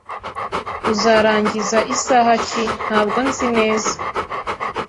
"Uzarangiza isaha ki?" "Ntabwo nzi neza.